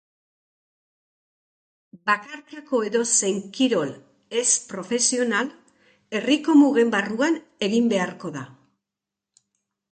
Bakarkako edozein kirol ez profesional herriko mugen barruan egin beharko da.